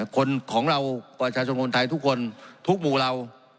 คนของเราประชาชนคนไทยทุกคนทุกหมู่เรา